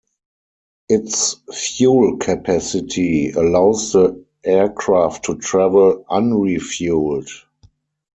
Its fuel capacity allows the aircraft to travel unrefueled.